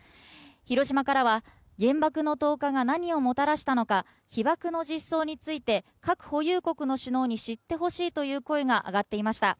広島からは原爆の投下が何をもたらしたのか、被爆の実相について核保有国の首脳に知ってほしいという声があがっていました。